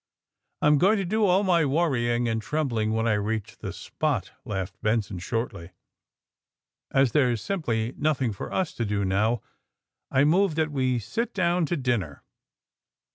*^ I 'm going to do all my worrying and tremb ling when I reach the spot," laughed Benson shortly. ^^As there's simply nothing for us to do now I move that we sit down to dinner."